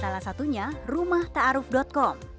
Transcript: salah satunya rumahtaaruf com